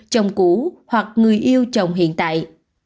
chồng cũ hoặc người yêu chồng hiện nay